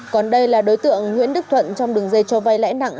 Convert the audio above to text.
còn đây là đối tượng nguyễn đức thuận trong đường dây cho vai lẽ nặng